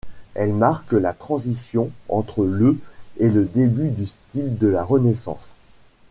Elles marquent la transition entre le et le début du style de la Renaissance.